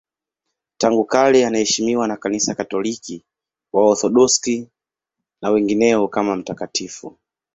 Tangu kale anaheshimiwa na Kanisa Katoliki, Waorthodoksi na wengineo kama mtakatifu.